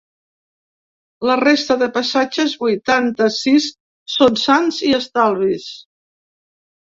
La resta de passatges, vuitanta-sis, són sans i estalvis.